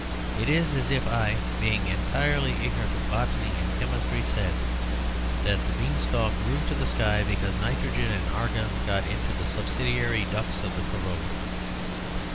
It is as if I (being entirely ignorant of botany and chemistry) said that the beanstalk grew to the sky because nitrogen and argon got into the subsidiary ducts of the corolla.